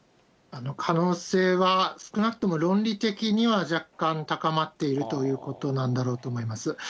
可能性は少なくとも論理的には若干高まっているということなんだろうと思います。